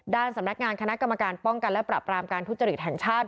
ด้านสำนักงานคณะกรรมการป้องกันและปรับรามการทุจริตแห่งชาติ